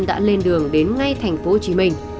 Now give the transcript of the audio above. đã lên đường đến ngay thành phố hồ chí minh